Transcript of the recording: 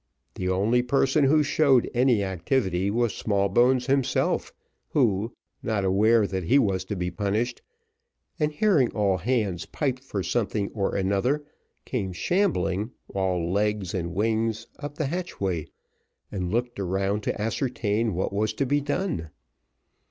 The only person who showed any activity was Smallbones himself, who, not aware that he was to be punished, and hearing all hands piped for something or another, came shambling, all legs and wings, up the hatchway, and looked around to ascertain what was to be done.